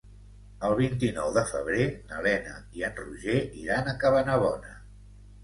El vint-i-nou de febrer na Lena i en Roger iran a Cabanabona.